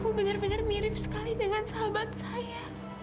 kamu bener bener mirip sekali dengan sahabat saya